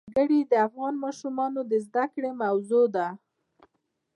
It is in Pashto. وګړي د افغان ماشومانو د زده کړې موضوع ده.